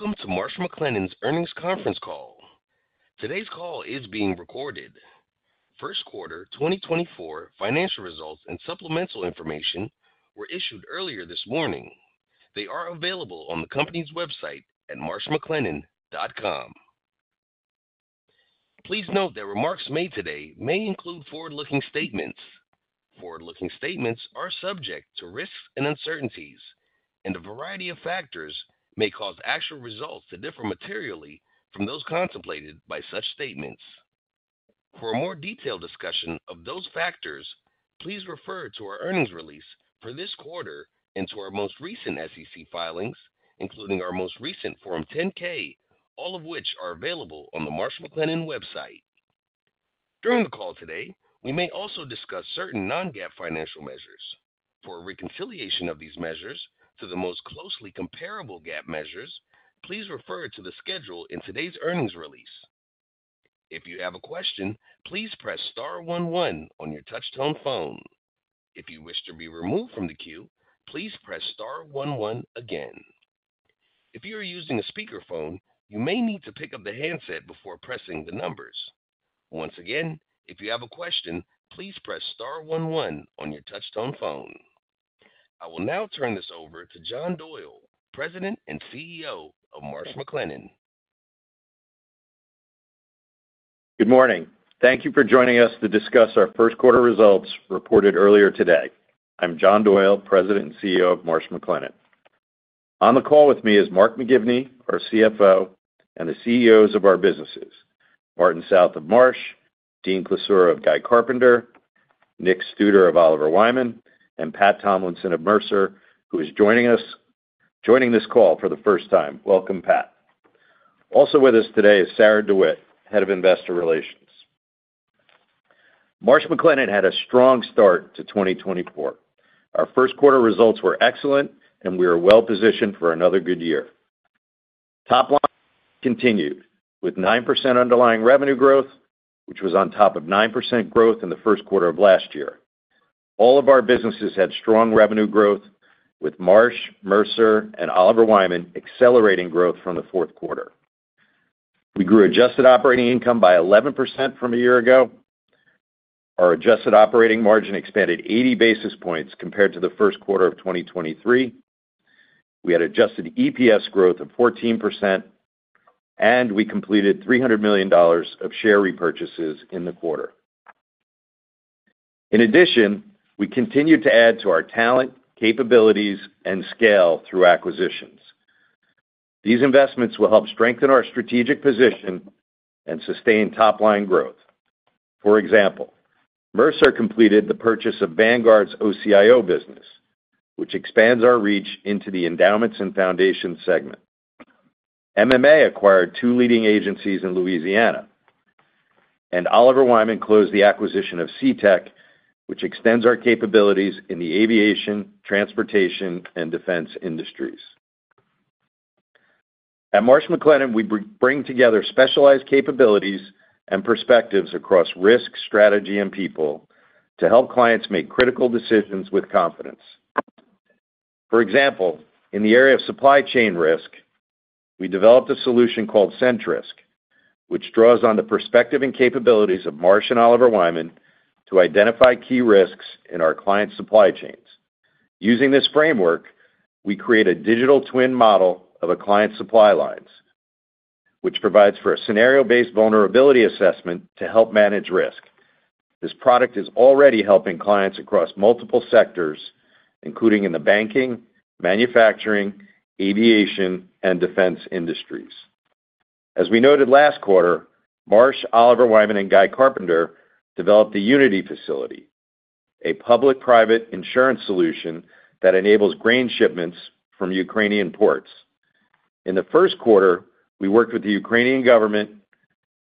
Welcome to Marsh McLennan's Earnings Conference Call. Today's call is being recorded. First quarter 2024 financial results and supplemental information were issued earlier this morning. They are available on the company's website at marshmclennan.com. Please note that remarks made today may include forward-looking statements. Forward-looking statements are subject to risks and uncertainties, and a variety of factors may cause actual results to differ materially from those contemplated by such statements. For a more detailed discussion of those factors, please refer to our earnings release for this quarter and to our most recent SEC filings, including our most recent Form 10-K, all of which are available on the Marsh McLennan website. During the call today, we may also discuss certain non-GAAP financial measures. For a reconciliation of these measures to the most closely comparable GAAP measures, please refer to the schedule in today's earnings release. If you have a question, please press star one one on your touch-tone phone. If you wish to be removed from the queue, please press star one one again. If you are using a speakerphone, you may need to pick up the handset before pressing the numbers. Once again, if you have a question, please press star one one on your touch-tone phone. I will now turn this over to John Doyle, President and CEO of Marsh McLennan. Good morning. Thank you for joining us to discuss our first quarter results reported earlier today. I'm John Doyle, President and CEO of Marsh McLennan. On the call with me is Mark McGivney, our CFO and the CEOs of our businesses: Martin South of Marsh, Dean Klisura of Guy Carpenter, Nick Studer of Oliver Wyman, and Pat Tomlinson of Mercer, who is joining us this call for the first time. Welcome, Pat. Also with us today is Sarah DeWitt, Head of Investor Relations. Marsh McLennan had a strong start to 2024. Our first quarter results were excellent, and we are well positioned for another good year. Top line continued with 9% underlying revenue growth, which was on top of 9% growth in the first quarter of last year. All of our businesses had strong revenue growth, with Marsh, Mercer, and Oliver Wyman accelerating growth from the fourth quarter. We grew adjusted operating income by 11% from a year ago. Our adjusted operating margin expanded 80 basis points compared to the first quarter of 2023. We had adjusted EPS growth of 14%, and we completed $300 million of share repurchases in the quarter. In addition, we continue to add to our talent, capabilities, and scale through acquisitions. These investments will help strengthen our strategic position and sustain top line growth. For example, Mercer completed the purchase of Vanguard's OCIO business, which expands our reach into the endowments and foundations segment. MMA acquired two leading agencies in Louisiana, and Oliver Wyman closed the acquisition of SeaTec, which extends our capabilities in the aviation, transportation, and defense industries. At Marsh McLennan, we bring together specialized capabilities and perspectives across risk, strategy, and people to help clients make critical decisions with confidence. For example, in the area of supply chain risk, we developed a solution called Sentrisk, which draws on the perspective and capabilities of Marsh and Oliver Wyman to identify key risks in our client supply chains. Using this framework, we create a digital twin model of a client supply lines, which provides for a scenario-based vulnerability assessment to help manage risk. This product is already helping clients across multiple sectors, including in the banking, manufacturing, aviation, and defense industries. As we noted last quarter, Marsh, Oliver Wyman, and Guy Carpenter developed the Unity facility, a public-private insurance solution that enables grain shipments from Ukrainian ports. In the first quarter, we worked with the Ukrainian government,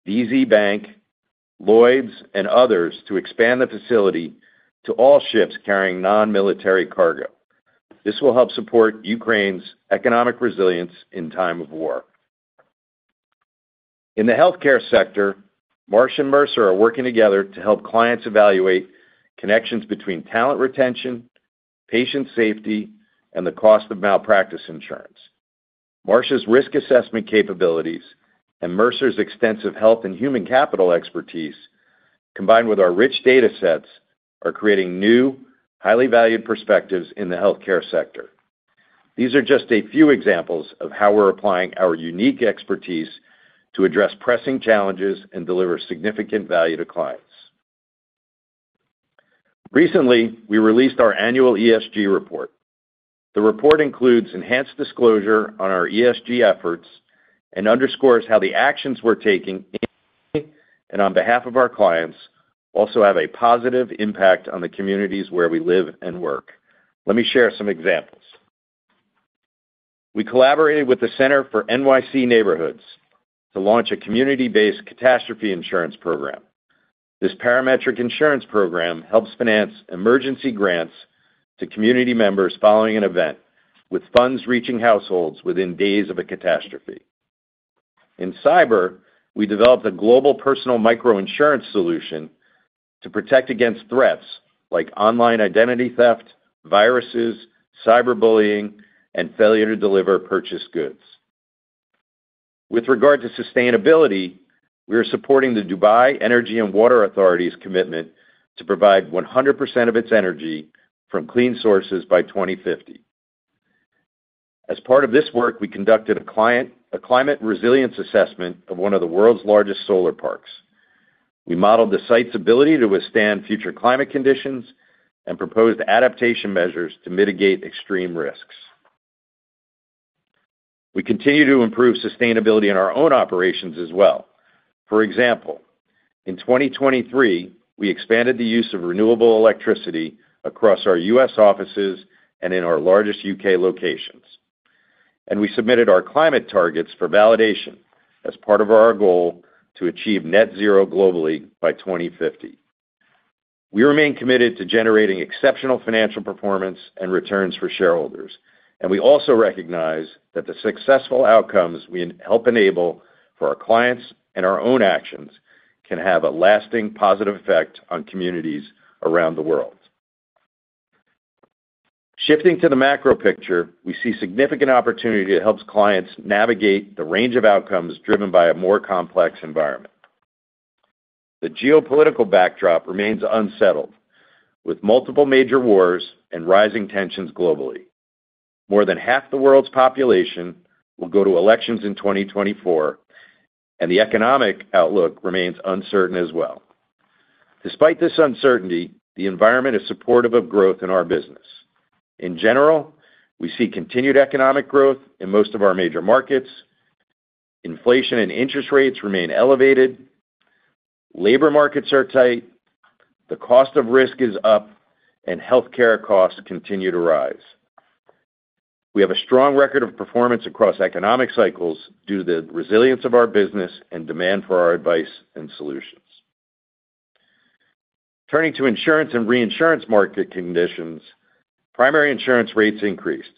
DZ Bank, Lloyd's, and others to expand the facility to all ships carrying non-military cargo. This will help support Ukraine's economic resilience in time of war. In the Healthcare sector, Marsh and Mercer are working together to help clients evaluate connections between talent retention, patient safety, and the cost of malpractice insurance. Marsh's risk assessment capabilities and Mercer's extensive health and human capital expertise, combined with our rich data sets, are creating new, highly valued perspectives in the Healthcare sector. These are just a few examples of how we're applying our unique expertise to address pressing challenges and deliver significant value to clients. Recently, we released our annual ESG report. The report includes enhanced disclosure on our ESG efforts and underscores how the actions we're taking in and on behalf of our clients also have a positive impact on the communities where we live and work. Let me share some examples. We collaborated with the Center for NYC Neighborhoods to launch a community-based catastrophe insurance program. This parametric insurance program helps finance emergency grants to community members following an event, with funds reaching households within days of a catastrophe. In cyber, we developed a global personal microinsurance solution to protect against threats like online identity theft, viruses, cyberbullying, and failure to deliver purchased goods. With regard to sustainability, we are supporting the Dubai Energy and Water Authority's commitment to provide 100% of its energy from clean sources by 2050. As part of this work, we conducted a climate resilience assessment of one of the world's largest solar parks. We modeled the site's ability to withstand future climate conditions and proposed adaptation measures to mitigate extreme risks. We continue to improve sustainability in our own operations as well. For example, in 2023, we expanded the use of renewable electricity across our U.S. offices and in our largest U.K. locations, and we submitted our climate targets for validation as part of our goal to achieve net zero globally by 2050. We remain committed to generating exceptional financial performance and returns for shareholders, and we also recognize that the successful outcomes we help enable for our clients and our own actions can have a lasting positive effect on communities around the world. Shifting to the macro picture, we see significant opportunity that helps clients navigate the range of outcomes driven by a more complex environment. The geopolitical backdrop remains unsettled, with multiple major wars and rising tensions globally. More than half the world's population will go to elections in 2024, and the economic outlook remains uncertain as well. Despite this uncertainty, the environment is supportive of growth in our business. In general, we see continued economic growth in most of our major markets. Inflation and interest rates remain elevated. Labor markets are tight. The cost of risk is up, and healthcare costs continue to rise. We have a strong record of performance across economic cycles due to the resilience of our business and demand for our advice and solutions. Turning to insurance and reinsurance market conditions, primary insurance rates increased,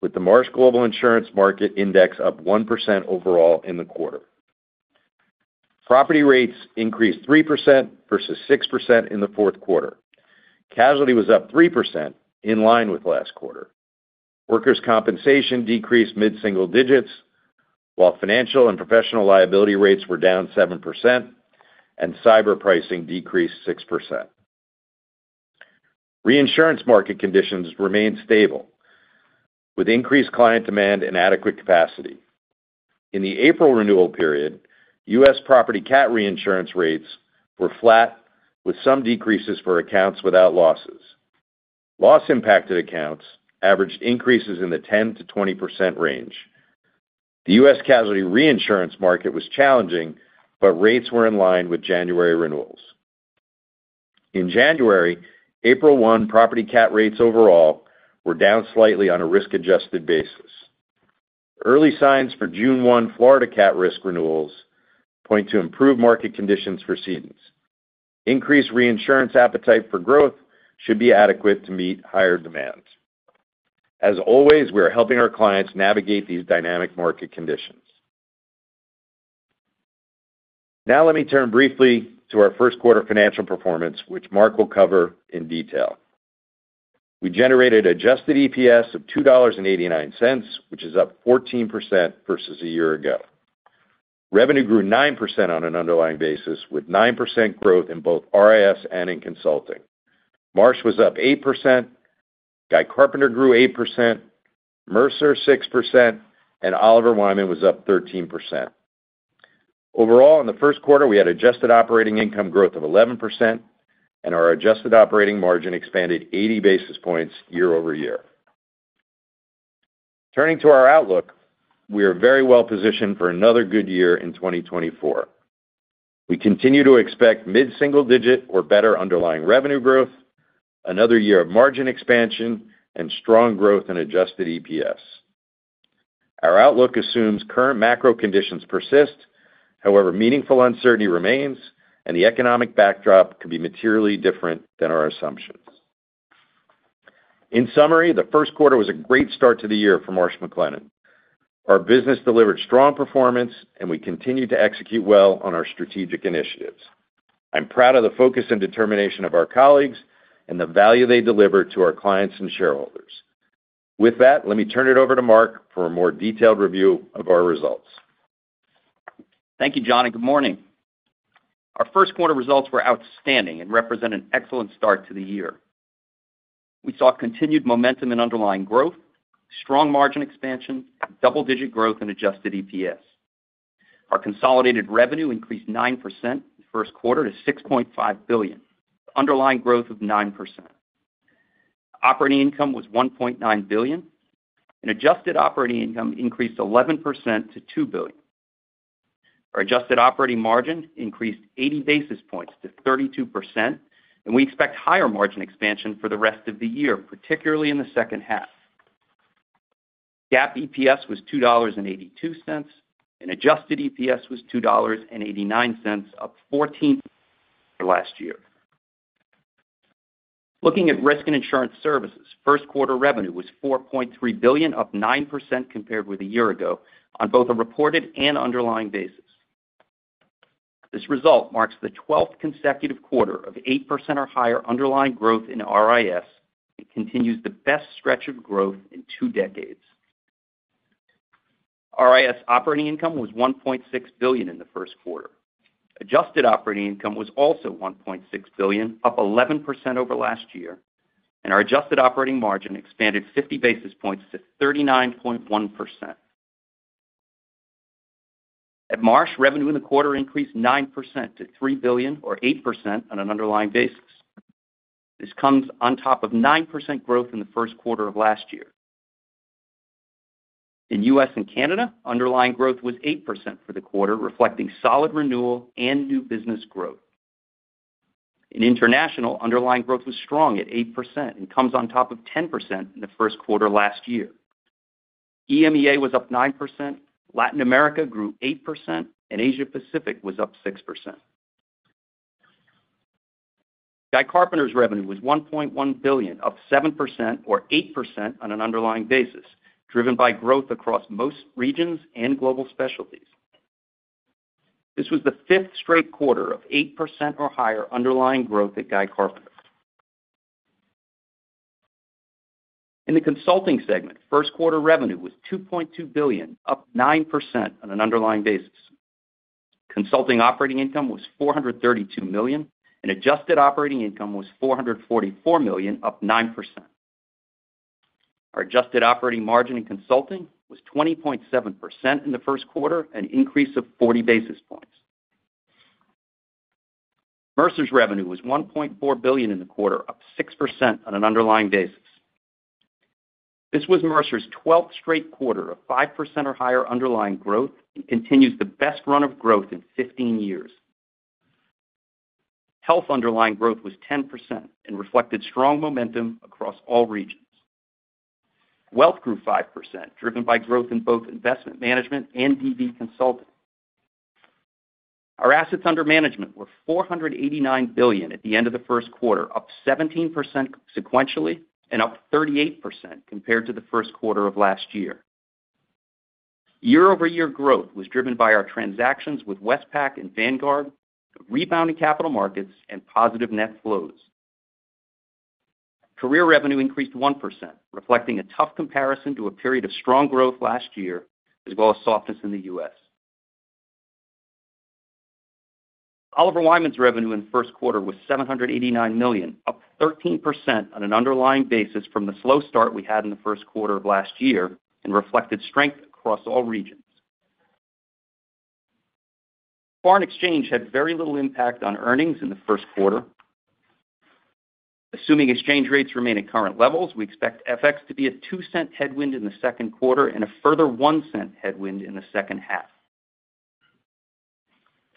with the Marsh Global Insurance Market Index up 1% overall in the quarter. Property rates increased 3% versus 6% in the fourth quarter. Casualty was up 3% in line with last quarter. Workers' compensation decreased mid-single digits, while financial and professional liability rates were down 7%, and cyber pricing decreased 6%. Reinsurance market conditions remained stable, with increased client demand and adequate capacity. In the April renewal period, U.S. property CAT reinsurance rates were flat, with some decreases for accounts without losses. Loss-impacted accounts averaged increases in the 10%-20% range. The U.S. casualty reinsurance market was challenging, but rates were in line with January renewals. In January, April 1 property CAT rates overall were down slightly on a risk-adjusted basis. Early signs for June 1 Florida CAT risk renewals point to improved market conditions for cedents. Increased reinsurance appetite for growth should be adequate to meet higher demands. As always, we are helping our clients navigate these dynamic market conditions. Now let me turn briefly to our first quarter financial performance, which Mark will cover in detail. We generated adjusted EPS of $2.89, which is up 14% versus a year ago. Revenue grew 9% on an underlying basis, with 9% growth in both RIS and in consulting. Marsh was up 8%. Guy Carpenter grew 8%. Mercer 6%. And Oliver Wyman was up 13%. Overall, in the first quarter, we had adjusted operating income growth of 11%, and our adjusted operating margin expanded 80 basis points year-over-year. Turning to our outlook, we are very well positioned for another good year in 2024. We continue to expect mid-single digit or better underlying revenue growth, another year of margin expansion, and strong growth in adjusted EPS. Our outlook assumes current macro conditions persist. However, meaningful uncertainty remains, and the economic backdrop could be materially different than our assumptions. In summary, the first quarter was a great start to the year for Marsh McLennan. Our business delivered strong performance, and we continue to execute well on our strategic initiatives. I'm proud of the focus and determination of our colleagues and the value they deliver to our clients and shareholders. With that, let me turn it over to Mark for a more detailed review of our results. Thank you, John, and good morning. Our first quarter results were outstanding and represent an excellent start to the year. We saw continued momentum in underlying growth, strong margin expansion, double-digit growth, and adjusted EPS. Our consolidated revenue increased 9% the first quarter to $6.5 billion, underlying growth of 9%. Operating income was $1.9 billion, and adjusted operating income increased 11% to $2 billion. Our adjusted operating margin increased 80 basis points to 32%, and we expect higher margin expansion for the rest of the year, particularly in the second half. GAAP EPS was $2.82, and adjusted EPS was $2.89, up 14% from last year. Looking at risk and insurance services, first quarter revenue was $4.3 billion, up 9% compared with a year ago on both a reported and underlying basis. This result marks the 12th consecutive quarter of 8% or higher underlying growth in RIS and continues the best stretch of growth in two decades. RIS operating income was $1.6 billion in the first quarter. Adjusted operating income was also $1.6 billion, up 11% over last year, and our adjusted operating margin expanded 50 basis points to 39.1%. At Marsh, revenue in the quarter increased 9% to $3 billion, or 8% on an underlying basis. This comes on top of 9% growth in the first quarter of last year. In US and Canada, underlying growth was 8% for the quarter, reflecting solid renewal and new business growth. In international, underlying growth was strong at 8% and comes on top of 10% in the first quarter last year. EMEA was up 9%. Latin America grew 8%, and Asia-Pacific was up 6%. Guy Carpenter's revenue was $1.1 billion, up 7% or 8% on an underlying basis, driven by growth across most regions and global specialties. This was the fifth straight quarter of 8% or higher underlying growth at Guy Carpenter. In the consulting segment, first quarter revenue was $2.2 billion, up 9% on an underlying basis. Consulting operating income was $432 million, and adjusted operating income was $444 million, up 9%. Our adjusted operating margin in consulting was 20.7% in the first quarter, an increase of 40 basis points. Mercer's revenue was $1.4 billion in the quarter, up 6% on an underlying basis. This was Mercer's 12th straight quarter of 5% or higher underlying growth and continues the best run of growth in 15 years. Health underlying growth was 10% and reflected strong momentum across all regions. Wealth grew 5%, driven by growth in both investment management and DB consulting. Our assets under management were $489 billion at the end of the first quarter, up 17% sequentially and up 38% compared to the first quarter of last year. Year-over-year growth was driven by our transactions with Westpac and Vanguard, rebounding capital markets, and positive net flows. Career revenue increased 1%, reflecting a tough comparison to a period of strong growth last year as well as softness in the U.S. Oliver Wyman's revenue in the first quarter was $789 million, up 13% on an underlying basis from the slow start we had in the first quarter of last year and reflected strength across all regions. Foreign exchange had very little impact on earnings in the first quarter. Assuming exchange rates remain at current levels, we expect FX to be a $0.02 headwind in the second quarter and a further $0.01 headwind in the second half.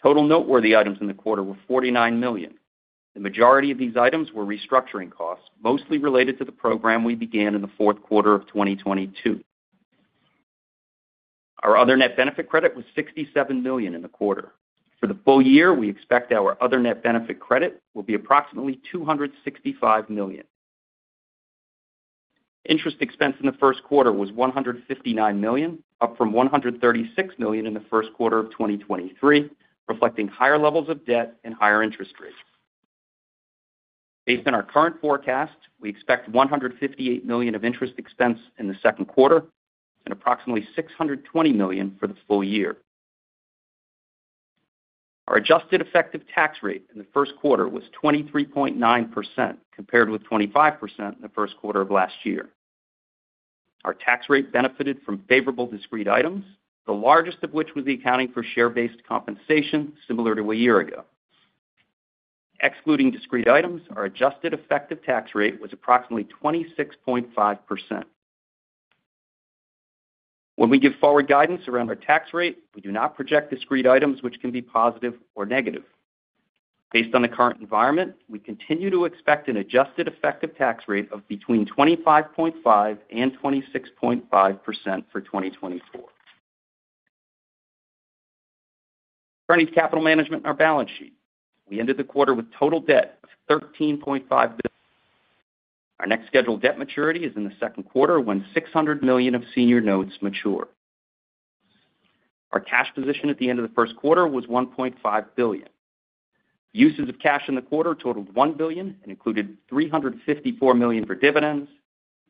Total noteworthy items in the quarter were $49 million. The majority of these items were restructuring costs, mostly related to the program we began in the fourth quarter of 2022. Our other net benefit credit was $67 million in the quarter. For the full year, we expect our other net benefit credit will be approximately $265 million. Interest expense in the first quarter was $159 million, up from $136 million in the first quarter of 2023, reflecting higher levels of debt and higher interest rates. Based on our current forecast, we expect $158 million of interest expense in the second quarter and approximately $620 million for the full year. Our adjusted effective tax rate in the first quarter was 23.9% compared with 25% in the first quarter of last year. Our tax rate benefited from favorable discrete items, the largest of which was the accounting for share-based compensation, similar to a year ago. Excluding discrete items, our adjusted effective tax rate was approximately 26.5%. When we give forward guidance around our tax rate, we do not project discrete items, which can be positive or negative. Based on the current environment, we continue to expect an adjusted effective tax rate of between 25.5% and 26.5% for 2024. Turning to capital management and our balance sheet, we ended the quarter with total debt of $13.5 billion. Our next scheduled debt maturity is in the second quarter when $600 million of senior notes mature. Our cash position at the end of the first quarter was $1.5 billion. Uses of cash in the quarter totaled $1 billion and included $354 million for dividends,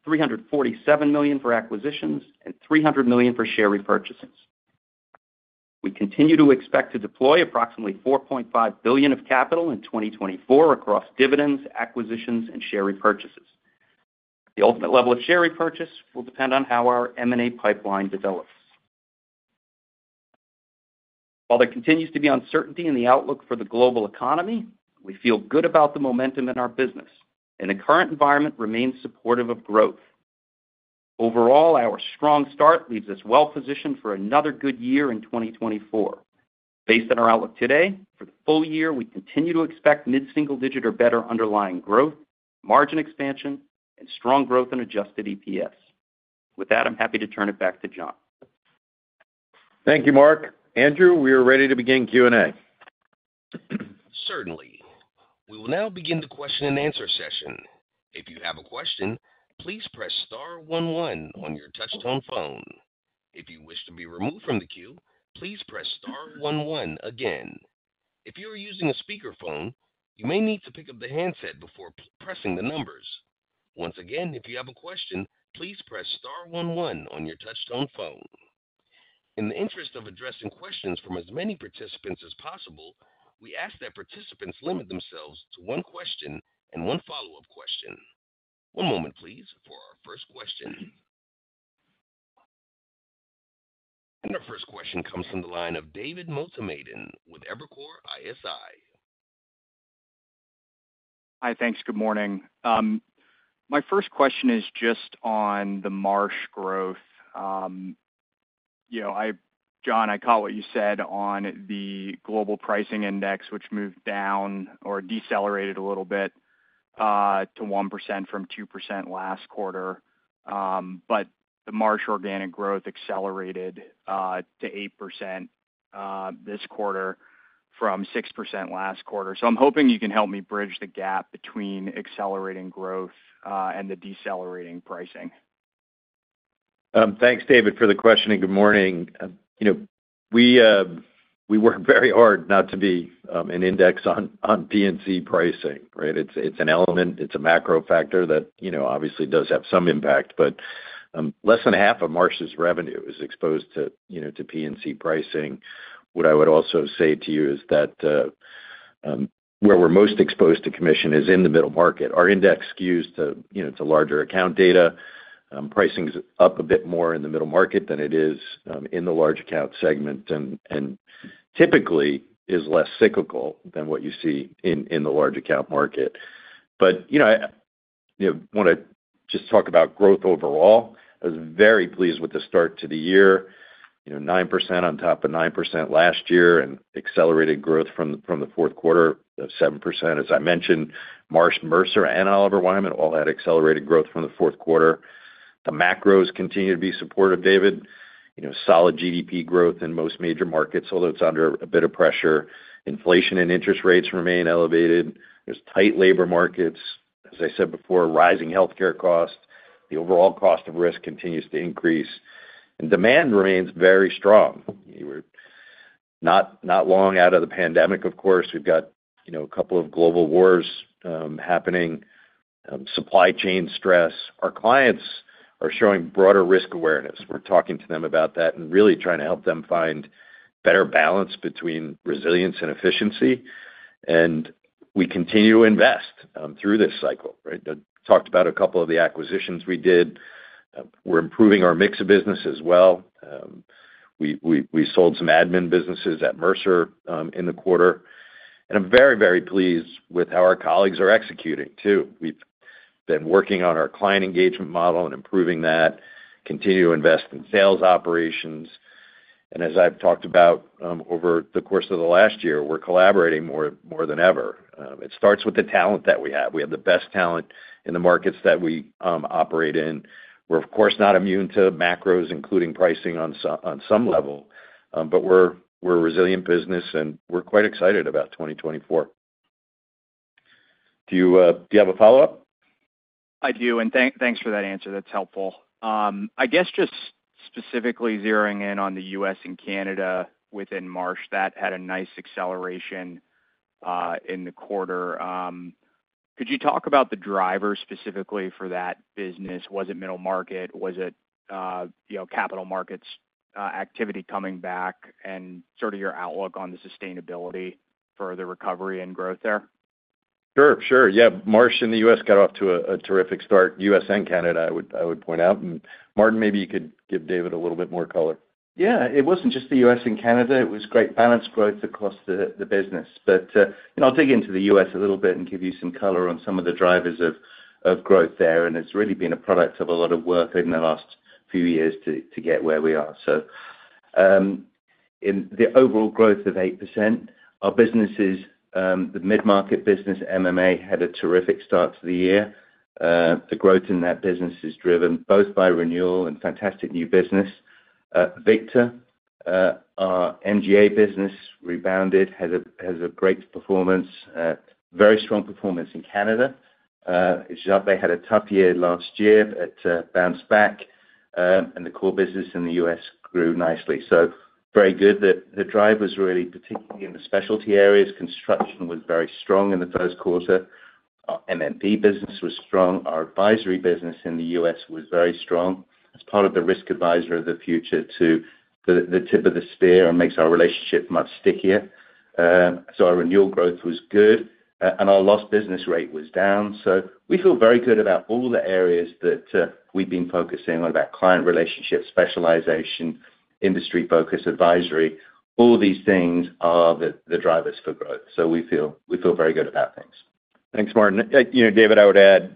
$347 million for acquisitions, and $300 million for share repurchases. We continue to expect to deploy approximately $4.5 billion of capital in 2024 across dividends, acquisitions, and share repurchases. The ultimate level of share repurchase will depend on how our M&A pipeline develops. While there continues to be uncertainty in the outlook for the global economy, we feel good about the momentum in our business, and the current environment remains supportive of growth. Overall, our strong start leaves us well positioned for another good year in 2024. Based on our outlook today, for the full year, we continue to expect mid-single digit or better underlying growth, margin expansion, and strong growth in adjusted EPS. With that, I'm happy to turn it back to John. Thank you, Mark. Andrew, we are ready to begin Q&A. Certainly. We will now begin the question-and-answer session. If you have a question, please press star one one on your touch-tone phone. If you wish to be removed from the queue, please press star one one again. If you are using a speakerphone, you may need to pick up the handset before pressing the numbers. Once again, if you have a question, please press star one one on your touch-tone phone. In the interest of addressing questions from as many participants as possible, we ask that participants limit themselves to one question and one follow-up question. One moment, please, for our first question. Our first question comes from the line of David Motemaden with Evercore ISI. Hi, thanks. Good morning. My first question is just on the Marsh growth. John, I caught what you said on the global pricing index, which moved down or decelerated a little bit to 1% from 2% last quarter. But the Marsh organic growth accelerated to 8% this quarter from 6% last quarter. So I'm hoping you can help me bridge the gap between accelerating growth and the decelerating pricing. Thanks, David, for the question, and good morning. We work very hard not to be an index on P&C pricing, right? It's an element. It's a macro factor that obviously does have some impact. But less than half of Marsh's revenue is exposed to P&C pricing. What I would also say to you is that where we're most exposed to commission is in the middle market. Our index skews to larger account data. Pricing's up a bit more in the middle market than it is in the large account segment and typically is less cyclical than what you see in the large account market. But I want to just talk about growth overall. I was very pleased with the start to the year, 9% on top of 9% last year and accelerated growth from the fourth quarter of 7%. As I mentioned, Marsh, Mercer, and Oliver Wyman all had accelerated growth from the fourth quarter. The macros continue to be supportive, David. Solid GDP growth in most major markets, although it's under a bit of pressure. Inflation and interest rates remain elevated. There's tight labor markets. As I said before, rising healthcare costs. The overall cost of risk continues to increase. Demand remains very strong. We're not long out of the pandemic, of course. We've got a couple of global wars happening, supply chain stress. Our clients are showing broader risk awareness. We're talking to them about that and really trying to help them find better balance between resilience and efficiency. We continue to invest through this cycle, right? I talked about a couple of the acquisitions we did. We're improving our mix of business as well. We sold some admin businesses at Mercer in the quarter. I'm very, very pleased with how our colleagues are executing, too. We've been working on our client engagement model and improving that, continue to invest in sales operations. And as I've talked about over the course of the last year, we're collaborating more than ever. It starts with the talent that we have. We have the best talent in the markets that we operate in. We're, of course, not immune to macros, including pricing on some level. But we're a resilient business, and we're quite excited about 2024. Do you have a follow-up? I do, and thanks for that answer. That's helpful. I guess just specifically zeroing in on the U.S. and Canada within Marsh, that had a nice acceleration in the quarter. Could you talk about the driver specifically for that business? Was it middle market? Was it capital markets activity coming back and sort of your outlook on the sustainability for the recovery and growth there? Sure, sure. Yeah, Marsh in the U.S. got off to a terrific start. U.S. and Canada, I would point out. And Martin, maybe you could give David a little bit more color. Yeah, it wasn't just the U.S. and Canada. It was great balanced growth across the business. But I'll dig into the U.S. a little bit and give you some color on some of the drivers of growth there. And it's really been a product of a lot of work in the last few years to get where we are. So in the overall growth of 8%, our businesses, the mid-market business, MMA, had a terrific start to the year. The growth in that business is driven both by renewal and fantastic new business. Victor, our MGU business, rebounded, has a great performance, very strong performance in Canada. They had a tough year last year, but it bounced back. And the core business in the U.S. grew nicely. So very good. The drivers really, particularly in the specialty areas, construction was very strong in the first quarter. Our M&P business was strong. Our advisory business in the U.S. was very strong. It's part of the risk advisor of the future to the tip of the spear and makes our relationship much stickier. So our renewal growth was good. And our lost business rate was down. So we feel very good about all the areas that we've been focusing on, about client relationship, specialization, industry focus, advisory. All these things are the drivers for growth. So we feel very good about things. Thanks, Martin. David, I would add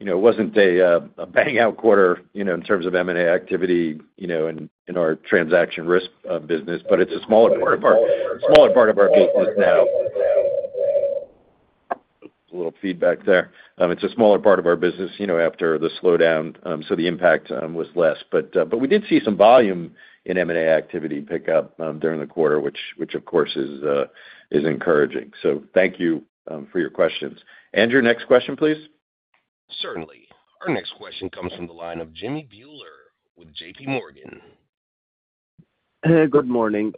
it wasn't a bang-out quarter in terms of M&A activity in our transaction risk business, but it's a smaller part of our smaller part of our business now. A little feedback there. It's a smaller part of our business after the slowdown, so the impact was less. But we did see some volume in M&A activity pick up during the quarter, which, of course, is encouraging. So thank you for your questions. Andrew, next question, please. Certainly. Our next question comes from the line of Jimmy Bhullar with J.P. Morgan. Good morning.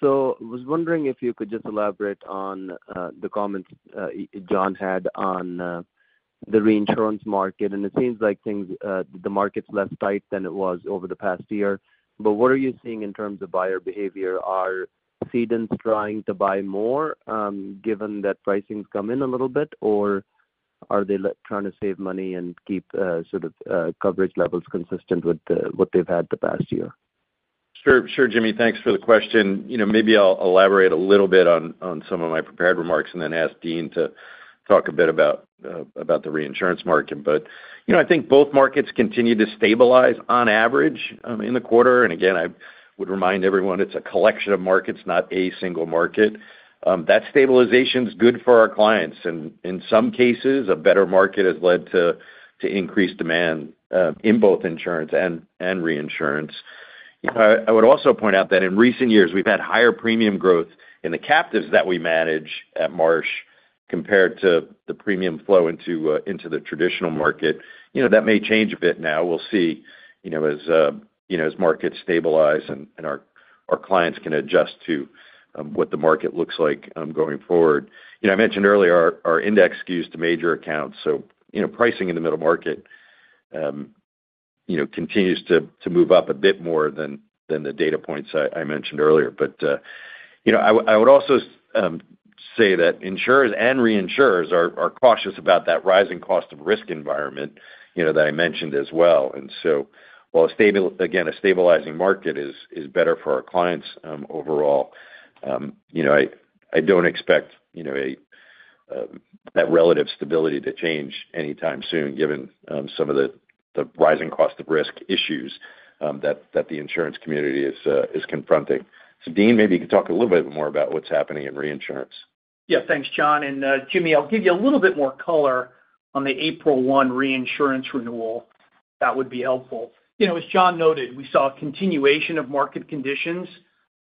So I was wondering if you could just elaborate on the comments John had on the reinsurance market. And it seems like the market's less tight than it was over the past year. But what are you seeing in terms of buyer behavior? Are cedents trying to buy more given that pricings come in a little bit, or are they trying to save money and keep sort of coverage levels consistent with what they've had the past year? Sure, Jimmy. Thanks for the question. Maybe I'll elaborate a little bit on some of my prepared remarks and then ask Dean to talk a bit about the reinsurance market. But I think both markets continue to stabilize on average in the quarter. And again, I would remind everyone, it's a collection of markets, not a single market. That stabilization's good for our clients. And in some cases, a better market has led to increased demand in both insurance and reinsurance. I would also point out that in recent years, we've had higher premium growth in the captives that we manage at Marsh compared to the premium flow into the traditional market. That may change a bit now. We'll see as markets stabilize and our clients can adjust to what the market looks like going forward. I mentioned earlier our index skews to major accounts. So pricing in the middle market continues to move up a bit more than the data points I mentioned earlier. But I would also say that insurers and reinsurers are cautious about that rising cost of risk environment that I mentioned as well. And so while again, a stabilizing market is better for our clients overall, I don't expect that relative stability to change anytime soon given some of the rising cost of risk issues that the insurance community is confronting. So Dean, maybe you could talk a little bit more about what's happening in reinsurance. Yeah, thanks, John. And Jimmy, I'll give you a little bit more color on the April 1 reinsurance renewal. That would be helpful. As John noted, we saw a continuation of market conditions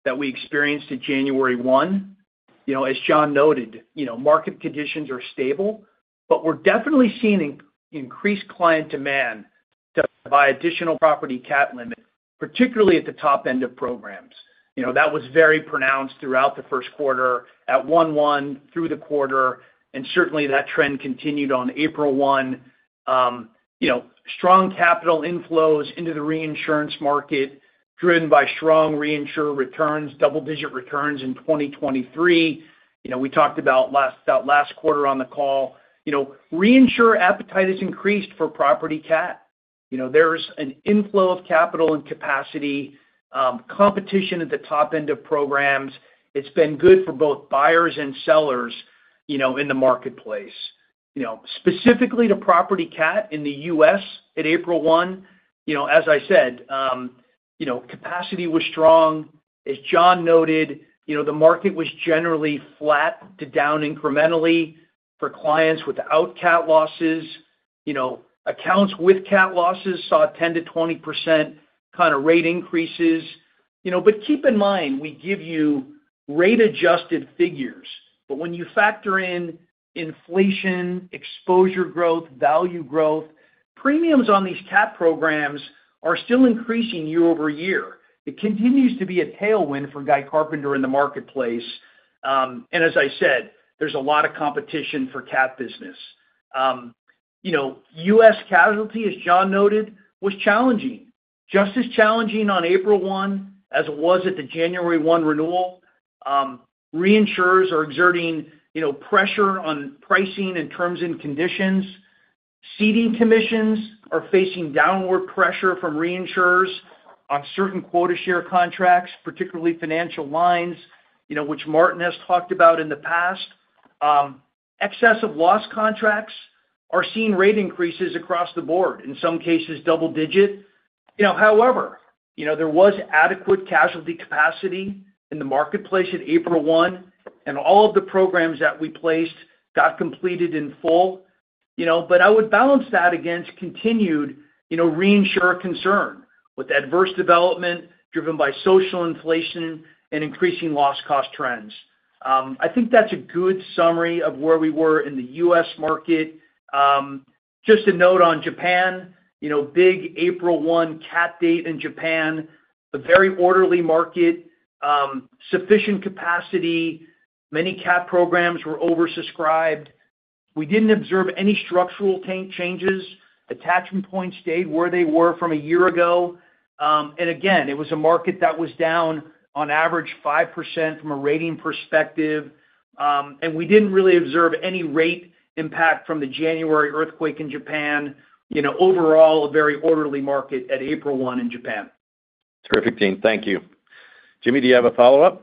that we experienced in January 1. As John noted, market conditions are stable, but we're definitely seeing increased client demand to buy additional property cat limit, particularly at the top end of programs. That was very pronounced throughout the first quarter from January 1 through the quarter. And certainly, that trend continued on April 1. Strong capital inflows into the reinsurance market driven by strong reinsurer returns, double-digit returns in 2023. We talked about that last quarter on the call. Reinsurer appetite has increased for property cat. There's an inflow of capital and capacity, competition at the top end of programs. It's been good for both buyers and sellers in the marketplace. Specifically to property CAT in the U.S. at April 1, as I said, capacity was strong. As John noted, the market was generally flat to down incrementally for clients without CAT losses. Accounts with CAT losses saw 10%-20% kind of rate increases. But keep in mind, we give you rate-adjusted figures. But when you factor in inflation, exposure growth, value growth, premiums on these CAT programs are still increasing year-over-year. It continues to be a tailwind for Guy Carpenter in the marketplace. And as I said, there's a lot of competition for CAT business. U.S. casualty, as John noted, was challenging, just as challenging on April 1 as it was at the January 1 renewal. Reinsurers are exerting pressure on pricing and terms and conditions. Ceding commissions are facing downward pressure from reinsurers on certain quota-share contracts, particularly financial lines, which Martin has talked about in the past. Excessive loss contracts are seeing rate increases across the board, in some cases, double-digit. However, there was adequate casualty capacity in the marketplace at April 1, and all of the programs that we placed got completed in full. But I would balance that against continued reinsurer concern with adverse development driven by social inflation and increasing loss-cost trends. I think that's a good summary of where we were in the U.S. market. Just a note on Japan, big April 1 CAT date in Japan, a very orderly market, sufficient capacity. Many CAT programs were oversubscribed. We didn't observe any structural changes. Attachment points stayed where they were from a year ago. And again, it was a market that was down on average 5% from a rating perspective. We didn't really observe any rate impact from the January earthquake in Japan. Overall, a very orderly market at April 1 in Japan. Terrific, Dean. Thank you. Jimmy, do you have a follow-up?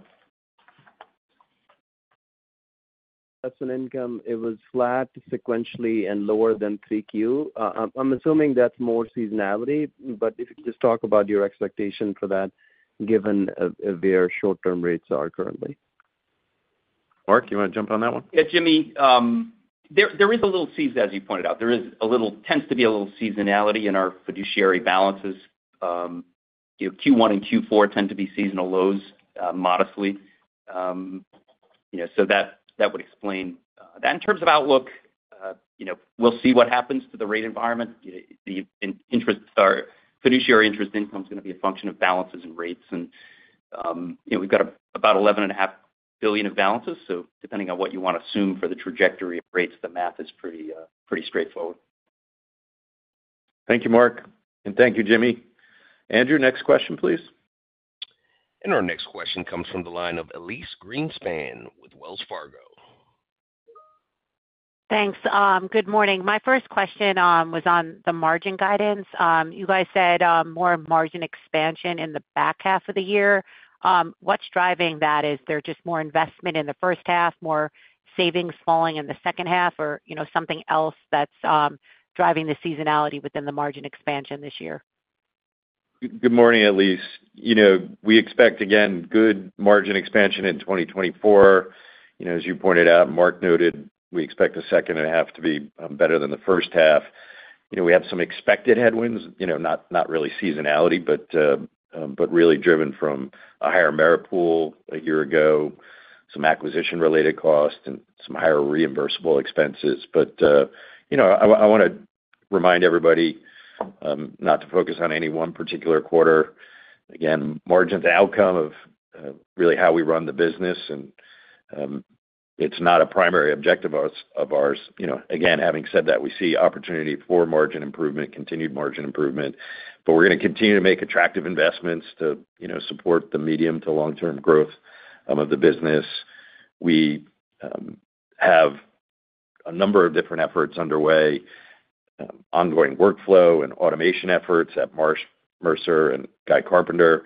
That's adjusted income. It was flat sequentially and lower than 3Q. I'm assuming that's more seasonality. But if you could just talk about your expectation for that given where short-term rates are currently. Mark, you want to jump on that one? Yeah, Jimmy. There is a little seasonality, as you pointed out. There tends to be a little seasonality in our fiduciary balances. Q1 and Q4 tend to be seasonal lows, modestly. So that would explain that. In terms of outlook, we'll see what happens to the rate environment. The fiduciary interest income is going to be a function of balances and rates. And we've got about $11.5 billion of balances. So depending on what you want to assume for the trajectory of rates, the math is pretty straightforward. Thank you, Mark. Thank you, Jimmy. Andrew, next question, please. Our next question comes from the line of Elyse Greenspan with Wells Fargo. Thanks. Good morning. My first question was on the margin guidance. You guys said more margin expansion in the back half of the year. What's driving that? Is there just more investment in the first half, more savings falling in the second half, or something else that's driving the seasonality within the margin expansion this year? Good morning, Elyse. We expect, again, good margin expansion in 2024. As you pointed out, Mark noted, we expect the second half to be better than the first half. We have some expected headwinds, not really seasonality, but really driven from a higher Merit Pool a year ago, some acquisition-related costs, and some higher reimbursable expenses. But I want to remind everybody not to focus on any one particular quarter. Again, margin's the outcome of really how we run the business, and it's not a primary objective of ours. Again, having said that, we see opportunity for margin improvement, continued margin improvement. But we're going to continue to make attractive investments to support the medium- to long-term growth of the business. We have a number of different efforts underway, ongoing workflow and automation efforts at Marsh, Mercer, and Guy Carpenter.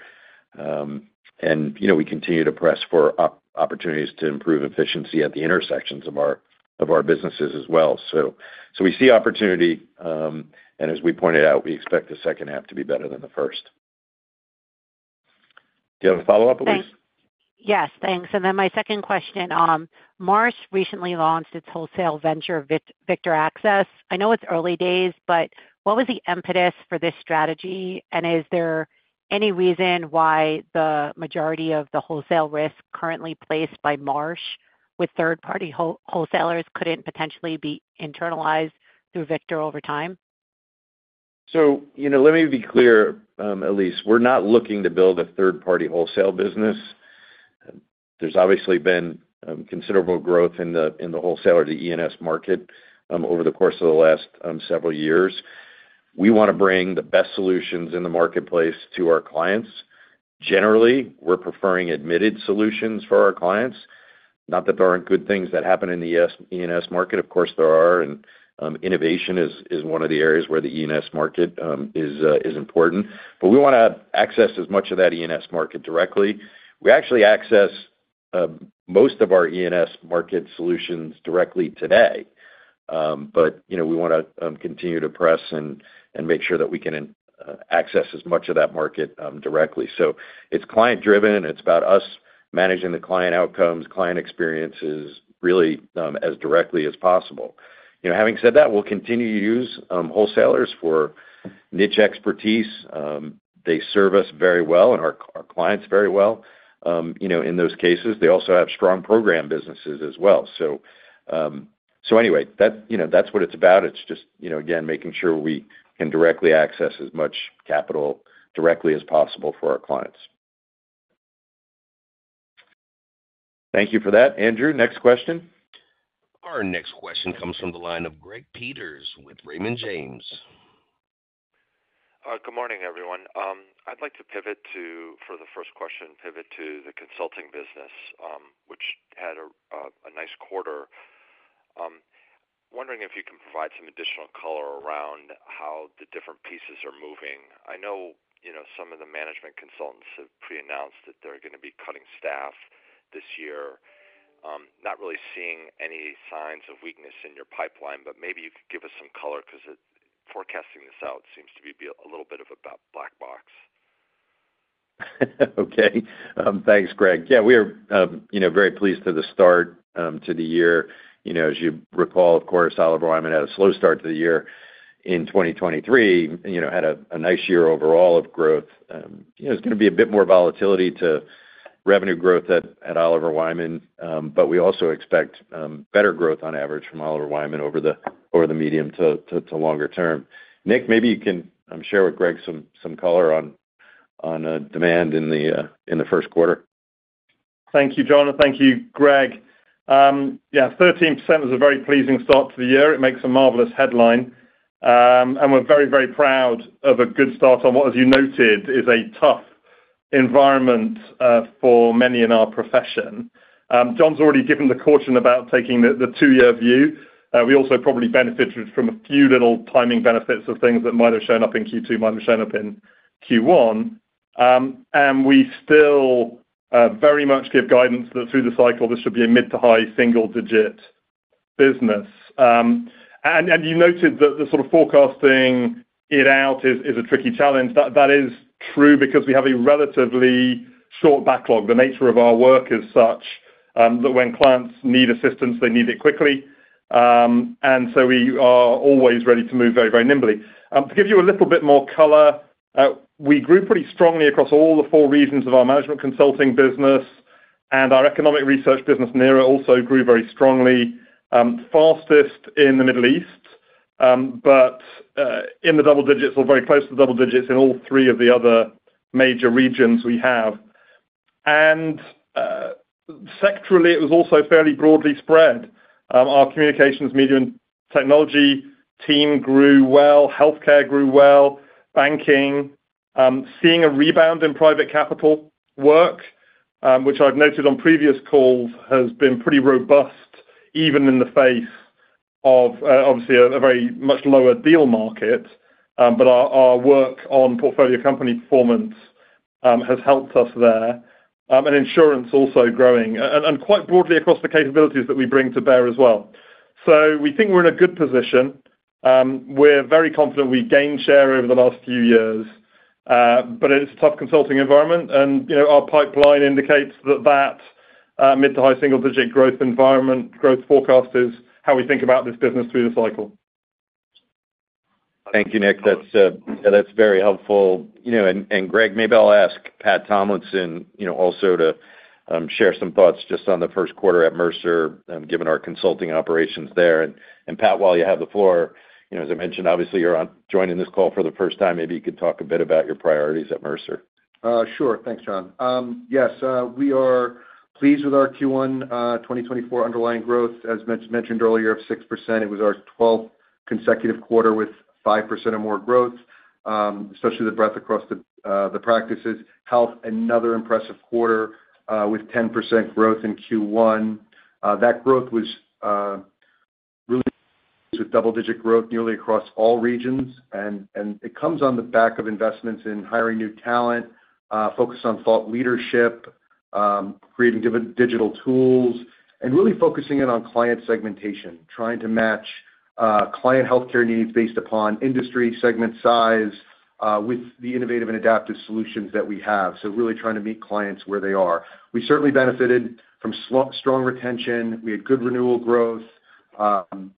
We continue to press for opportunities to improve efficiency at the intersections of our businesses as well. So we see opportunity. And as we pointed out, we expect the second half to be better than the first. Do you have a follow-up, Elyse? Yes, thanks. And then my second question. Marsh recently launched its wholesale venture, Victor Access. I know it's early days, but what was the impetus for this strategy? And is there any reason why the majority of the wholesale risk currently placed by Marsh with third-party wholesalers couldn't potentially be internalized through Victor over time? Let me be clear, Elyse. We're not looking to build a third-party wholesale business. There's obviously been considerable growth in the wholesaler to E&S market over the course of the last several years. We want to bring the best solutions in the marketplace to our clients. Generally, we're preferring admitted solutions for our clients. Not that there aren't good things that happen in the E&S market. Of course, there are. Innovation is one of the areas where the E&S market is important. We want to access as much of that E&S market directly. We actually access most of our E&S market solutions directly today. We want to continue to press and make sure that we can access as much of that market directly. It's client-driven. It's about us managing the client outcomes, client experiences really as directly as possible. Having said that, we'll continue to use wholesalers for niche expertise. They serve us very well and our clients very well in those cases. They also have strong program businesses as well. So anyway, that's what it's about. It's just, again, making sure we can directly access as much capital directly as possible for our clients. Thank you for that, Andrew. Next question. Our next question comes from the line of Greg Peters with Raymond James. Good morning, everyone. I'd like to pivot to for the first question, pivot to the consulting business, which had a nice quarter. Wondering if you can provide some additional color around how the different pieces are moving. I know some of the management consultants have pre-announced that they're going to be cutting staff this year. Not really seeing any signs of weakness in your pipeline, but maybe you could give us some color because forecasting this out seems to be a little bit of a black box. Okay. Thanks, Greg. Yeah, we are very pleased with the start to the year. As you recall, of course, Oliver Wyman had a slow start to the year in 2023, had a nice year overall of growth. There's going to be a bit more volatility to revenue growth at Oliver Wyman. But we also expect better growth on average from Oliver Wyman over the medium to longer term. Nick, maybe you can share with Greg some color on demand in the first quarter. Thank you, John. And thank you, Greg. Yeah, 13% was a very pleasing start to the year. It makes a marvelous headline. And we're very, very proud of a good start on what, as you noted, is a tough environment for many in our profession. John's already given the caution about taking the 2-year view. We also probably benefited from a few little timing benefits of things that might have shown up in Q2, might have shown up in Q1. And we still very much give guidance that through the cycle, this should be a mid to high single-digit business. And you noted that the sort of forecasting it out is a tricky challenge. That is true because we have a relatively short backlog. The nature of our work is such that when clients need assistance, they need it quickly. We are always ready to move very, very nimbly. To give you a little bit more color, we grew pretty strongly across all the four regions of our management consulting business. Our economic research business, NERA, also grew very strongly, fastest in the Middle East. In the double digits or very close to the double digits in all three of the other major regions we have. Sectorally, it was also fairly broadly spread. Our communications, media, and technology team grew well. Healthcare grew well. Banking, seeing a rebound in private capital work, which I've noted on previous calls, has been pretty robust, even in the face of, obviously, a very much lower deal market. Our work on portfolio company performance has helped us there. Insurance also growing and quite broadly across the capabilities that we bring to bear as well. So we think we're in a good position. We're very confident we've gained share over the last few years. But it's a tough consulting environment. Our pipeline indicates that mid to high single-digit growth environment, growth forecast is how we think about this business through the cycle. Thank you, Nick. Yeah, that's very helpful. And Greg, maybe I'll ask Pat Tomlinson also to share some thoughts just on the first quarter at Mercer, given our consulting operations there. And Pat, while you have the floor, as I mentioned, obviously, you're joining this call for the first time. Maybe you could talk a bit about your priorities at Mercer. Sure. Thanks, John. Yes, we are pleased with our Q1 2024 underlying growth. As mentioned earlier, of 6%, it was our 12th consecutive quarter with 5% or more growth, especially the breadth across the practices. Health, another impressive quarter with 10% growth in Q1. That growth was really with double-digit growth nearly across all regions. And it comes on the back of investments in hiring new talent, focus on thought leadership, creating digital tools, and really focusing in on client segmentation, trying to match client healthcare needs based upon industry, segment size with the innovative and adaptive solutions that we have. So really trying to meet clients where they are. We certainly benefited from strong retention. We had good renewal growth,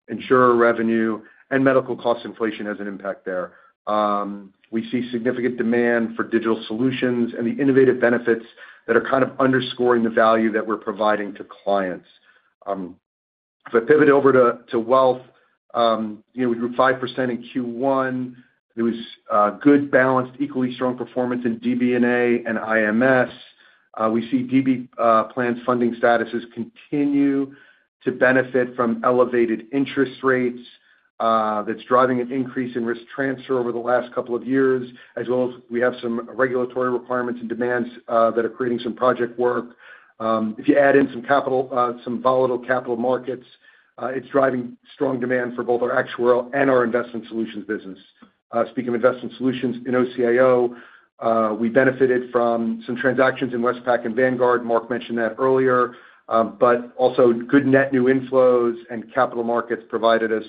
insurer revenue, and medical cost inflation has an impact there. We see significant demand for digital solutions and the innovative benefits that are kind of underscoring the value that we're providing to clients. If I pivot over to wealth, we grew 5% in Q1. There was good, balanced, equally strong performance in DBA and IMS. We see DB plans' funding statuses continue to benefit from elevated interest rates. That's driving an increase in risk transfer over the last couple of years, as well as we have some regulatory requirements and demands that are creating some project work. If you add in some volatile capital markets, it's driving strong demand for both our actuarial and our investment solutions business. Speaking of investment solutions, in OCIO, we benefited from some transactions in Westpac and Vanguard. Mark mentioned that earlier. But also, good net new inflows and capital markets provided us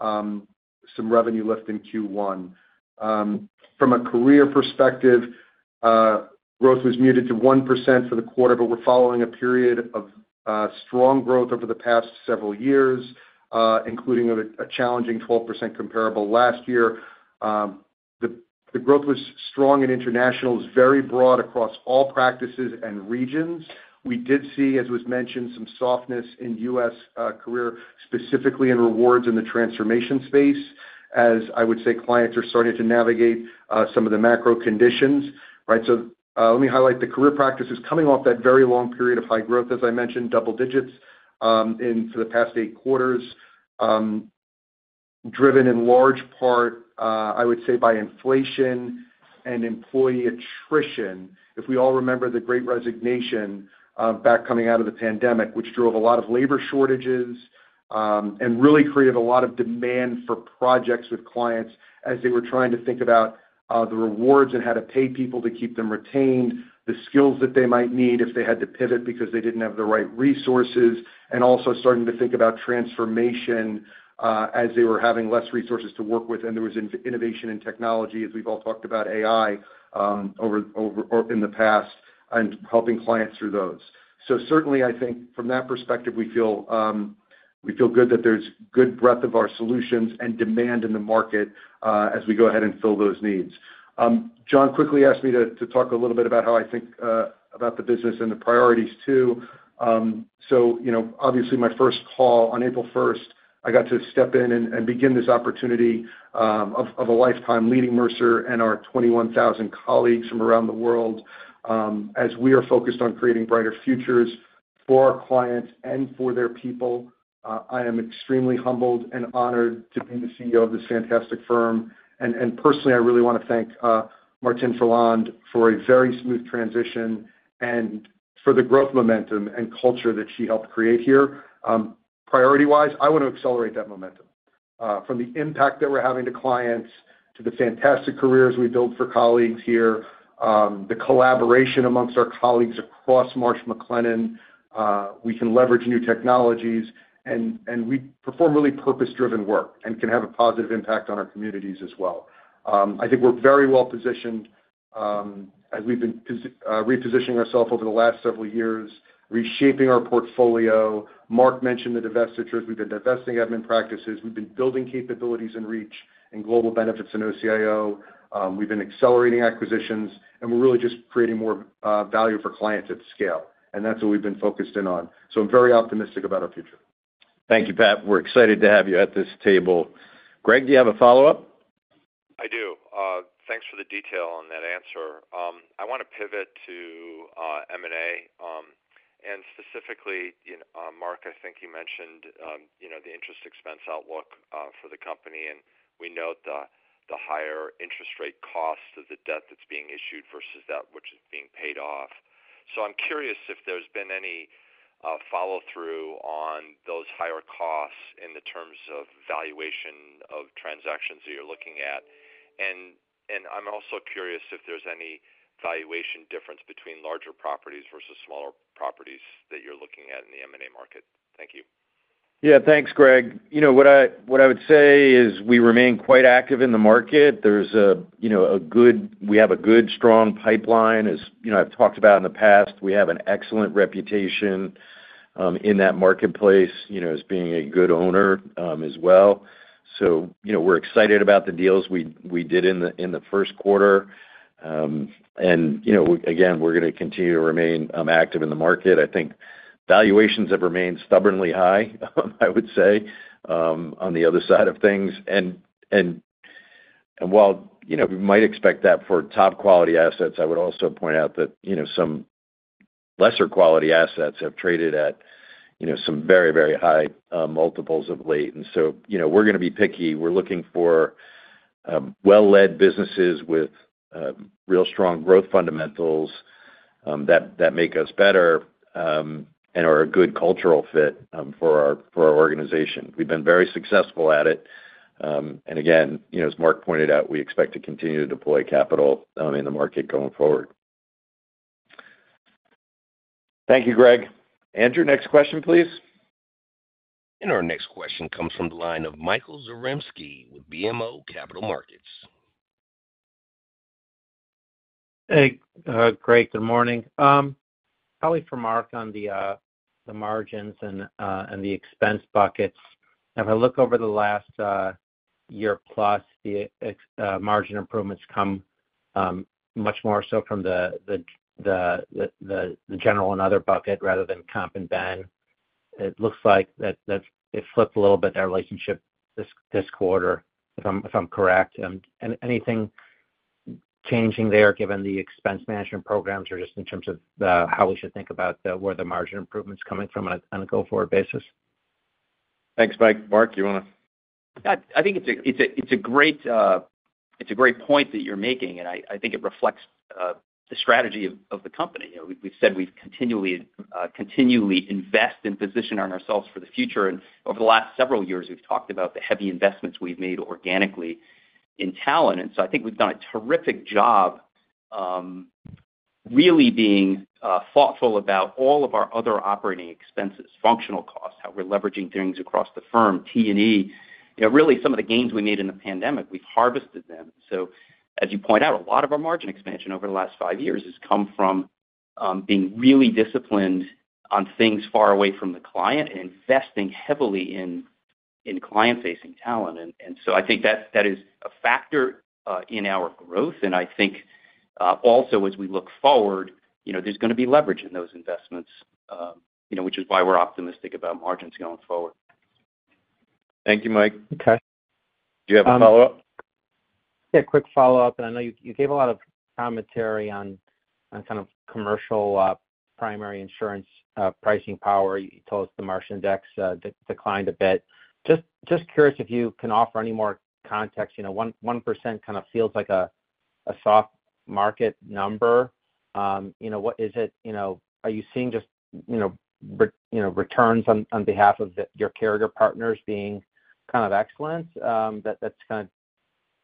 some revenue lift in Q1. From a career perspective, growth was muted to 1% for the quarter. But we're following a period of strong growth over the past several years, including a challenging 12% comparable last year. The growth was strong in international, was very broad across all practices and regions. We did see, as was mentioned, some softness in U.S. career, specifically in rewards in the transformation space, as I would say clients are starting to navigate some of the macro conditions, right? So let me highlight the career practices coming off that very long period of high growth, as I mentioned, double digits for the past eight quarters, driven in large part, I would say, by inflation and employee attrition. If we all remember the great resignation back coming out of the pandemic, which drove a lot of labor shortages and really created a lot of demand for projects with clients as they were trying to think about the rewards and how to pay people to keep them retained, the skills that they might need if they had to pivot because they didn't have the right resources, and also starting to think about transformation as they were having less resources to work with. And there was innovation in technology, as we've all talked about, AI in the past, and helping clients through those. So certainly, I think from that perspective, we feel good that there's good breadth of our solutions and demand in the market as we go ahead and fill those needs. John quickly asked me to talk a little bit about how I think about the business and the priorities too. So obviously, my first call on April 1st, I got to step in and begin this opportunity of a lifetime leading Mercer and our 21,000 colleagues from around the world. As we are focused on creating brighter futures for our clients and for their people, I am extremely humbled and honored to be the CEO of this fantastic firm. Personally, I really want to thank Martine Ferland for a very smooth transition and for the growth momentum and culture that she helped create here. Priority-wise, I want to accelerate that momentum from the impact that we're having to clients to the fantastic careers we build for colleagues here, the collaboration amongst our colleagues across Marsh McLennan. We can leverage new technologies, and we perform really purpose-driven work and can have a positive impact on our communities as well. I think we're very well positioned as we've been repositioning ourselves over the last several years, reshaping our portfolio. Mark mentioned the divestitures. We've been divesting admin practices. We've been building capabilities and reach and global benefits in OCIO. We've been accelerating acquisitions. We're really just creating more value for clients at scale. That's what we've been focused in on. I'm very optimistic about our future. Thank you, Pat. We're excited to have you at this table. Greg, do you have a follow-up? I do. Thanks for the detail on that answer. I want to pivot to M&A. Specifically, Mark, I think you mentioned the interest expense outlook for the company. We note the higher interest rate cost of the debt that's being issued versus that which is being paid off. So I'm curious if there's been any follow-through on those higher costs in the terms of valuation of transactions that you're looking at. I'm also curious if there's any valuation difference between larger properties versus smaller properties that you're looking at in the M&A market. Thank you. Yeah, thanks, Greg. What I would say is we remain quite active in the market. We have a good, strong pipeline, as I've talked about in the past. We have an excellent reputation in that marketplace as being a good owner as well. So we're excited about the deals we did in the first quarter. And again, we're going to continue to remain active in the market. I think valuations have remained stubbornly high, I would say, on the other side of things. And while we might expect that for top-quality assets, I would also point out that some lesser-quality assets have traded at some very, very high multiples of late. And so we're going to be picky. We're looking for well-led businesses with real strong growth fundamentals that make us better and are a good cultural fit for our organization. We've been very successful at it. Again, as Mark pointed out, we expect to continue to deploy capital in the market going forward. Thank you, Greg. Andrew, next question, please. Our next question comes from the line of Michael Zarembski with BMO Capital Markets. Hey, Greg. Good morning. Question from Mark on the margins and the expense buckets. If I look over the last year plus, the margin improvements come much more so from the general and other bucket rather than comp and ben. It looks like it flipped a little bit in our results this quarter, if I'm correct. Anything changing there given the expense management programs or just in terms of how we should think about where the margin improvements coming from on a go-forward basis? Thanks, Mike. Mark, you want to? Yeah, I think it's a great point that you're making. I think it reflects the strategy of the company. We've said we continually invest and position ourselves for the future. Over the last several years, we've talked about the heavy investments we've made organically in talent. So I think we've done a terrific job really being thoughtful about all of our other operating expenses, functional costs, how we're leveraging things across the firm, T&E. Really, some of the gains we made in the pandemic, we've harvested them. As you point out, a lot of our margin expansion over the last five years has come from being really disciplined on things far away from the client and investing heavily in client-facing talent. So I think that is a factor in our growth. I think also, as we look forward, there's going to be leverage in those investments, which is why we're optimistic about margins going forward. Thank you, Mike. Okay. Do you have a follow-up? Yeah, quick follow-up. I know you gave a lot of commentary on kind of commercial primary insurance pricing power. You told us the Marsh Index declined a bit. Just curious if you can offer any more context. 1% kind of feels like a soft market number. What is it? Are you seeing just returns on behalf of your carrier partners being kind of excellent, that's kind of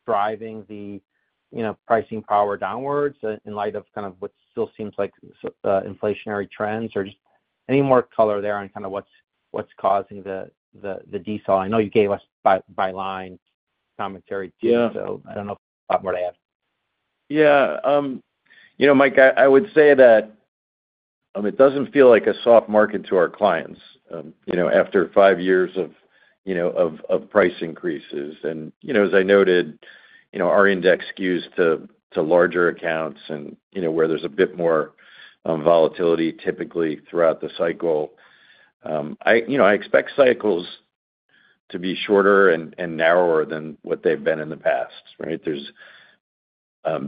driving the pricing power downwards in light of kind of what still seems like inflationary trends? Or just any more color there on kind of what's causing the decel? I know you gave us by-line commentary too. I don't know if you have a lot more to add. Yeah. Mike, I would say that it doesn't feel like a soft market to our clients after five years of price increases. And as I noted, our index skews to larger accounts and where there's a bit more volatility typically throughout the cycle. I expect cycles to be shorter and narrower than what they've been in the past, right? There's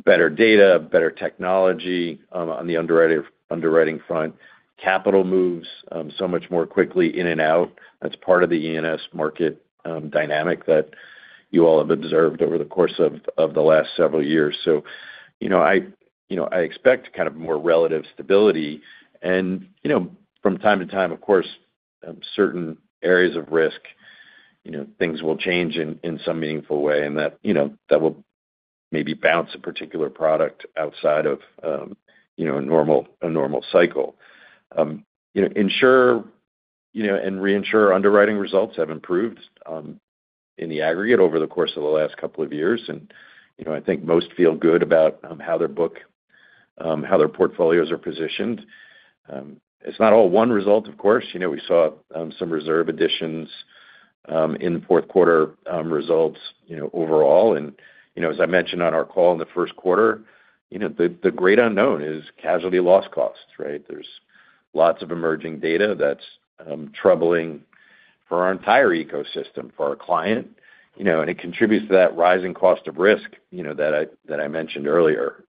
better data, better technology on the underwriting front. Capital moves so much more quickly in and out. That's part of the E&S market dynamic that you all have observed over the course of the last several years. So I expect kind of more relative stability. And from time to time, of course, certain areas of risk, things will change in some meaningful way. And that will maybe bounce a particular product outside of a normal cycle. Insurers and reinsurers' underwriting results have improved in the aggregate over the course of the last couple of years. I think most feel good about how their portfolios are positioned. It's not all one result, of course. We saw some reserve additions in the fourth quarter results overall. As I mentioned on our call in the first quarter, the great unknown is casualty loss costs, right? There's lots of emerging data that's troubling for our entire ecosystem, for our client. It contributes to that rising cost of risk that I mentioned earlier.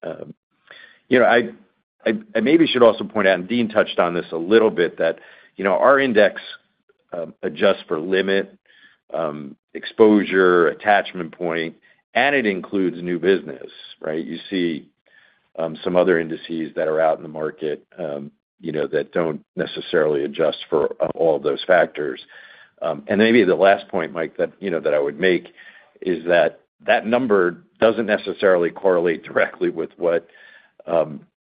I maybe should also point out, and Dean touched on this a little bit, that our index adjusts for limit, exposure, attachment point, and it includes new business, right? You see some other indices that are out in the market that don't necessarily adjust for all of those factors. Maybe the last point, Mike, that I would make is that that number doesn't necessarily correlate directly with what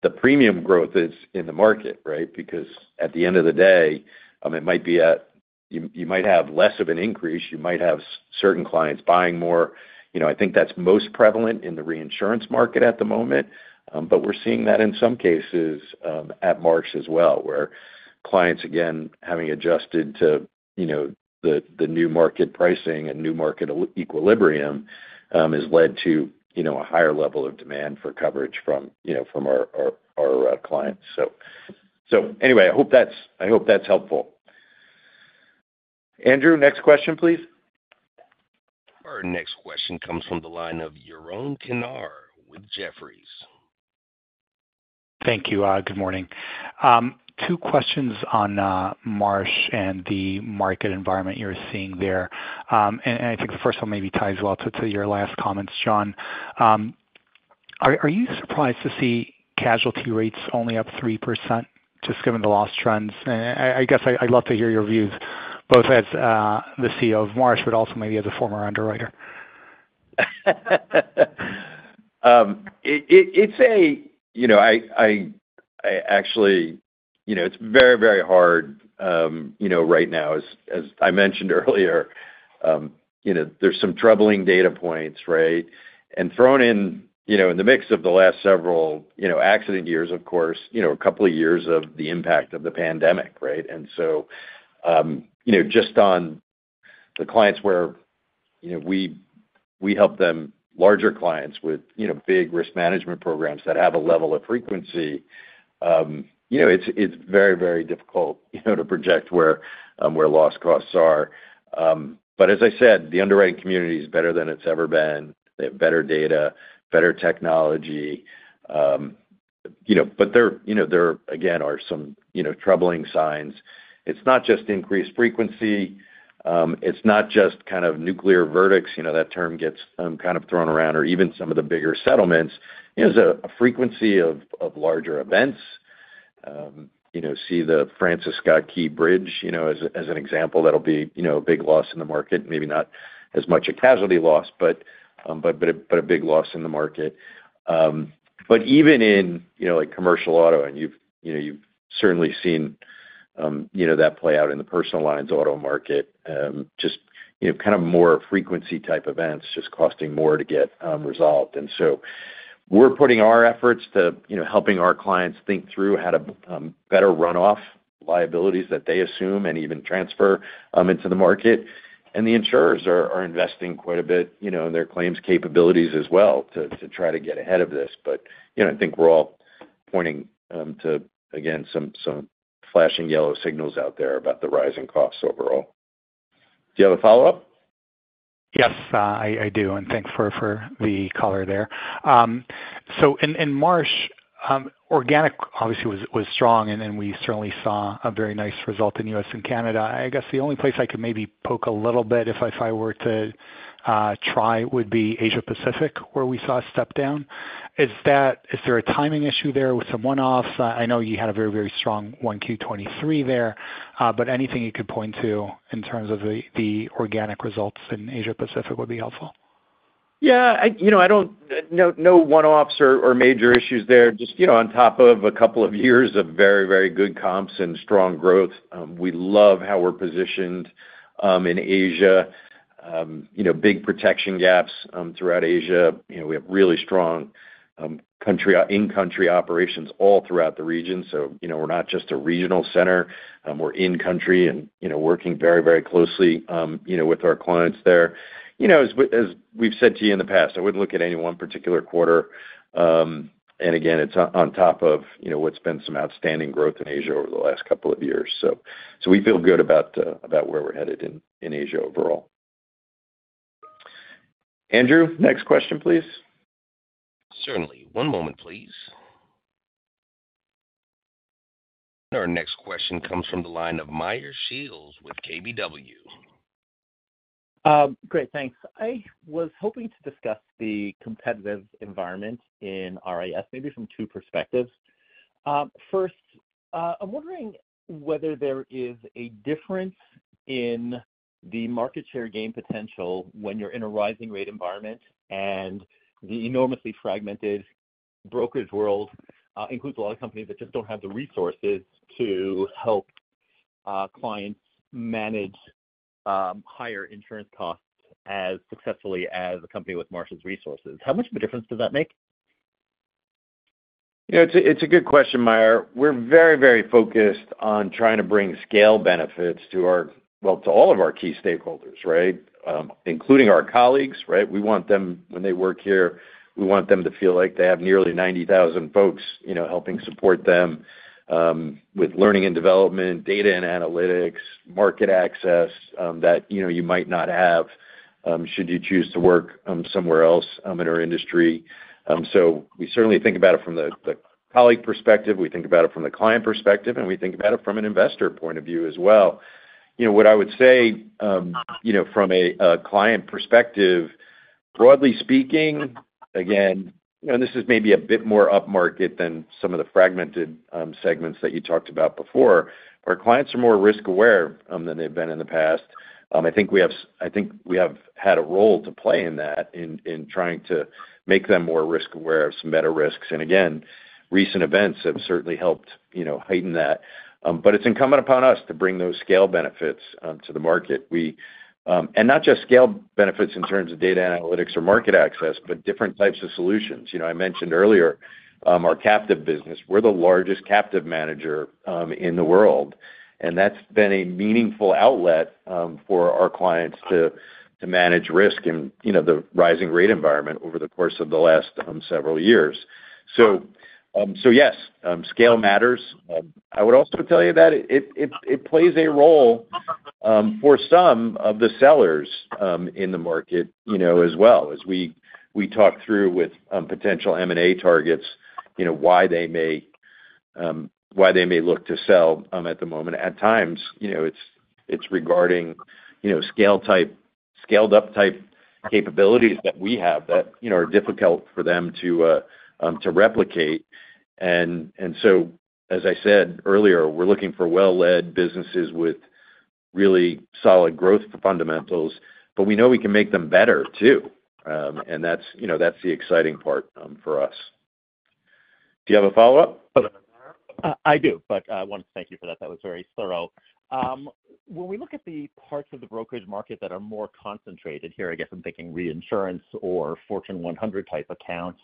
the premium growth is in the market, right? Because at the end of the day, it might be at you might have less of an increase. You might have certain clients buying more. I think that's most prevalent in the reinsurance market at the moment. But we're seeing that in some cases at Marsh as well, where clients, again, having adjusted to the new market pricing and new market equilibrium has led to a higher level of demand for coverage from our clients. So anyway, I hope that's helpful. Andrew, next question, please. Our next question comes from the line of Yaron Kinar with Jefferies. Thank you. Good morning. Two questions on Marsh and the market environment you're seeing there. And I think the first one maybe ties well to your last comments, John. Are you surprised to see casualty rates only up 3% just given the loss trends? And I guess I'd love to hear your views both as the CEO of Marsh but also maybe as a former underwriter. It's actually very, very hard right now. As I mentioned earlier, there's some troubling data points, right? And thrown in the mix of the last several accident years, of course, a couple of years of the impact of the pandemic, right? And so just on the clients where we help them—larger clients with big risk management programs that have a level of frequency—it's very, very difficult to project where loss costs are. But as I said, the underwriting community is better than it's ever been. They have better data, better technology. But there, again, are some troubling signs. It's not just increased frequency. It's not just kind of nuclear verdicts. That term gets kind of thrown around. Or even some of the bigger settlements, there's a frequency of larger events. See the Francis Scott Key Bridge as an example. That'll be a big loss in the market. Maybe not as much a casualty loss but a big loss in the market. But even in commercial auto and you've certainly seen that play out in the personal lines auto market, just kind of more frequency-type events just costing more to get resolved. And so we're putting our efforts to helping our clients think through how to better run off liabilities that they assume and even transfer into the market. And the insurers are investing quite a bit in their claims capabilities as well to try to get ahead of this. But I think we're all pointing to, again, some flashing yellow signals out there about the rising costs overall. Do you have a follow-up? Yes, I do. Thanks for the caller there. In Marsh, organic, obviously, was strong. We certainly saw a very nice result in the U.S. and Canada. I guess the only place I could maybe poke a little bit if I were to try would be Asia-Pacific where we saw a step down. Is there a timing issue there with some one-offs? I know you had a very, very strong 1Q 2023 there. But anything you could point to in terms of the organic results in Asia-Pacific would be helpful. Yeah. I don't know one-offs or major issues there. Just on top of a couple of years of very, very good comps and strong growth, we love how we're positioned in Asia. Big protection gaps throughout Asia. We have really strong in-country operations all throughout the region. So we're not just a regional center. We're in-country and working very, very closely with our clients there. As we've said to you in the past, I wouldn't look at any one particular quarter. And again, it's on top of what's been some outstanding growth in Asia over the last couple of years. So we feel good about where we're headed in Asia overall. Andrew, next question, please. Certainly. One moment, please. Our next question comes from the line of Meyer Shields with KBW. Great. Thanks. I was hoping to discuss the competitive environment in RIS maybe from two perspectives. First, I'm wondering whether there is a difference in the market share gain potential when you're in a rising-rate environment. The enormously fragmented brokerage world includes a lot of companies that just don't have the resources to help clients manage higher insurance costs as successfully as a company with Marsh's resources. How much of a difference does that make? It's a good question, Meyer. We're very, very focused on trying to bring scale benefits to all of our key stakeholders, right, including our colleagues, right? When they work here, we want them to feel like they have nearly 90,000 folks helping support them with learning and development, data and analytics, market access that you might not have should you choose to work somewhere else in our industry. So we certainly think about it from the colleague perspective. We think about it from the client perspective. And we think about it from an investor point of view as well. What I would say from a client perspective, broadly speaking, again, and this is maybe a bit more upmarket than some of the fragmented segments that you talked about before, our clients are more risk aware than they've been in the past. I think we have had a role to play in that in trying to make them more risk aware of some better risks. And again, recent events have certainly helped heighten that. But it's incumbent upon us to bring those scale benefits to the market. And not just scale benefits in terms of data analytics or market access but different types of solutions. I mentioned earlier our captive business. We're the largest captive manager in the world. And that's been a meaningful outlet for our clients to manage risk in the rising-rate environment over the course of the last several years. So yes, scale matters. I would also tell you that it plays a role for some of the sellers in the market as well. As we talk through with potential M&A targets why they may look to sell at the moment, at times, it's regarding scaled-up type capabilities that we have that are difficult for them to replicate. And so as I said earlier, we're looking for well-led businesses with really solid growth fundamentals. But we know we can make them better too. And that's the exciting part for us. Do you have a follow-up? I do. But I wanted to thank you for that. That was very thorough. When we look at the parts of the brokerage market that are more concentrated here, I guess I'm thinking reinsurance or Fortune 100 type accounts,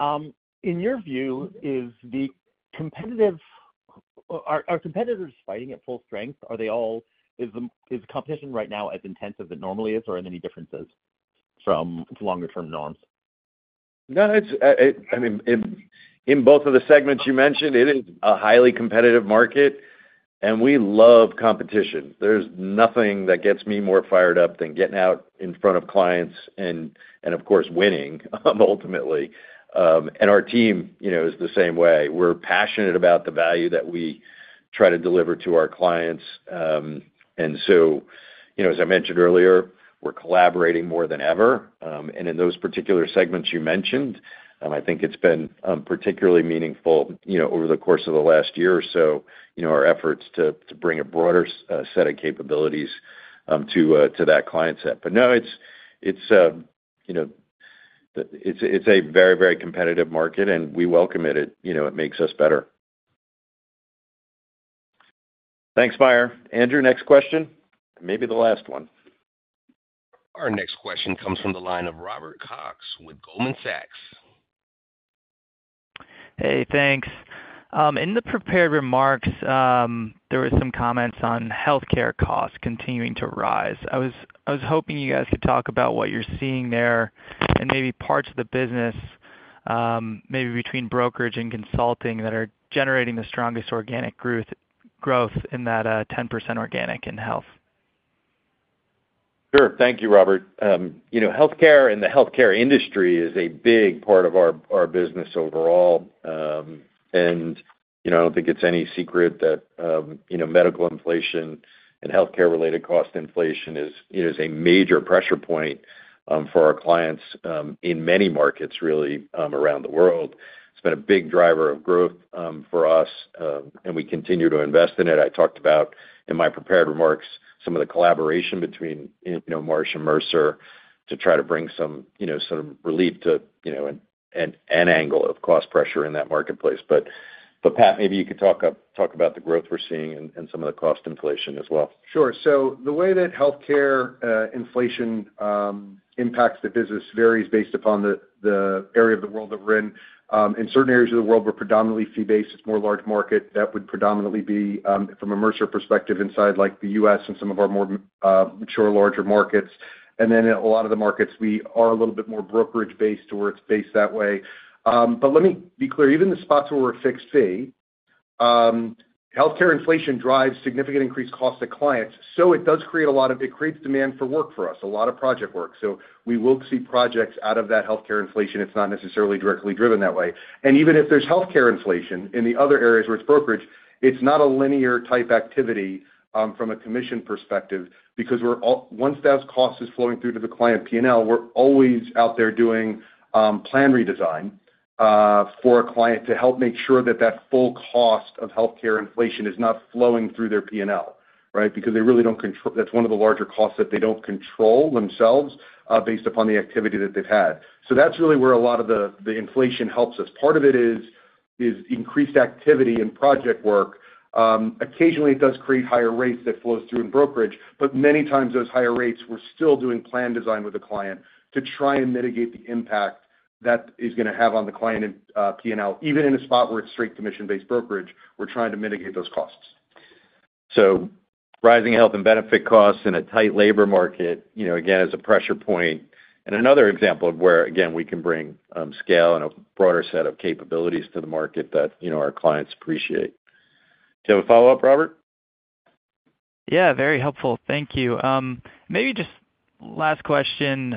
in your view, is the competition, are competitors fighting at full strength? Is the competition right now as intense as it normally is? Or are there any differences from longer-term norms? No. I mean, in both of the segments you mentioned, it is a highly competitive market. And we love competition. There's nothing that gets me more fired up than getting out in front of clients and, of course, winning ultimately. And our team is the same way. We're passionate about the value that we try to deliver to our clients. And so as I mentioned earlier, we're collaborating more than ever. And in those particular segments you mentioned, I think it's been particularly meaningful over the course of the last year or so, our efforts to bring a broader set of capabilities to that client set. But no, it's a very, very competitive market. And we welcome it. It makes us better. Thanks, Meyer. Andrew, next question. Maybe the last one. Our next question comes from the line of Robert Cox with Goldman Sachs. Hey. Thanks. In the prepared remarks, there were some comments on healthcare costs continuing to rise. I was hoping you guys could talk about what you're seeing there and maybe parts of the business maybe between brokerage and consulting that are generating the strongest organic growth in that 10% organic in health? Sure. Thank you, Robert. Healthcare and the healthcare industry is a big part of our business overall. I don't think it's any secret that medical inflation and healthcare-related cost inflation is a major pressure point for our clients in many markets, really, around the world. It's been a big driver of growth for us. We continue to invest in it. I talked about in my prepared remarks some of the collaboration between Marsh and Mercer to try to bring some relief to an angle of cost pressure in that marketplace. But Pat, maybe you could talk about the growth we're seeing and some of the cost inflation as well. Sure. So the way that healthcare inflation impacts the business varies based upon the area of the world that we're in. In certain areas of the world, we're predominantly fee-based. It's more large market. That would predominantly be from a Mercer perspective inside the U.S. and some of our more mature, larger markets. And then in a lot of the markets, we are a little bit more brokerage-based or it's based that way. But let me be clear. Even in the spots where we're a fixed fee, healthcare inflation drives significant increased costs to clients. So it does create a lot of demand for work for us, a lot of project work. So we will see projects out of that healthcare inflation. It's not necessarily directly driven that way. Even if there's healthcare inflation in the other areas where it's brokerage, it's not a linear-type activity from a commission perspective because once that cost is flowing through to the client P&L, we're always out there doing plan redesign for a client to help make sure that that full cost of healthcare inflation is not flowing through their P&L, right, because they really don't control that's one of the larger costs that they don't control themselves based upon the activity that they've had. That's really where a lot of the inflation helps us. Part of it is increased activity and project work. Occasionally, it does create higher rates that flow through in brokerage. Many times, those higher rates, we're still doing plan design with the client to try and mitigate the impact that is going to have on the client P&L. Even in a spot where it's straight commission-based brokerage, we're trying to mitigate those costs. So rising health and benefit costs in a tight labor market, again, is a pressure point and another example of where, again, we can bring scale and a broader set of capabilities to the market that our clients appreciate. Do you have a follow-up, Robert? Yeah. Very helpful. Thank you. Maybe just last question.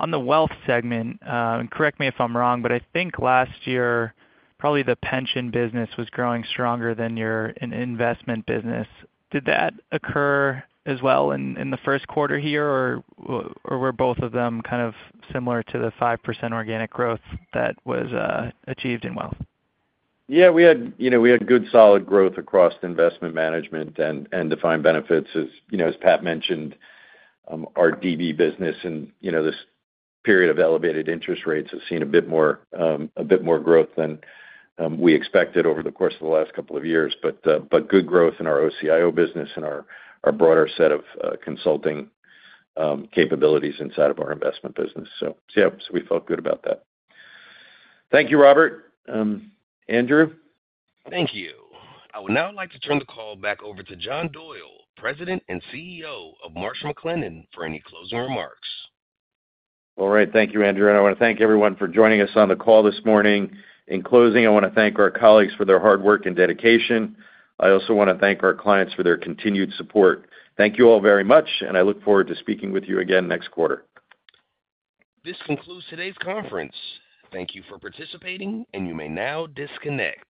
On the wealth segment, and correct me if I'm wrong. But I think last year, probably the pension business was growing stronger than your investment business. Did that occur as well in the first quarter here? Or were both of them kind of similar to the 5% organic growth that was achieved in wealth? Yeah. We had good, solid growth across investment management and defined benefits. As Pat mentioned, our DB business and this period of elevated interest rates have seen a bit more growth than we expected over the course of the last couple of years. But good growth in our OCIO business and our broader set of consulting capabilities inside of our investment business. So yeah. So we felt good about that. Thank you, Robert. Andrew? Thank you. I would now like to turn the call back over to John Doyle, President and CEO of Marsh McLennan, for any closing remarks. All right. Thank you, Andrew. I want to thank everyone for joining us on the call this morning. In closing, I want to thank our colleagues for their hard work and dedication. I also want to thank our clients for their continued support. Thank you all very much. I look forward to speaking with you again next quarter. This concludes today's conference. Thank you for participating. You may now disconnect.